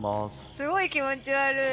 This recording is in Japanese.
すごい気持ち悪い！